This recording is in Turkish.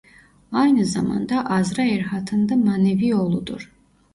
Aynı zamanda Azra Erhat'ın da manevi oğludur.